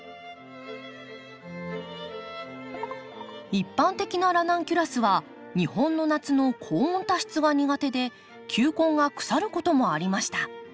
一般的なラナンキュラスは日本の夏の高温多湿が苦手で球根が腐ることもありました。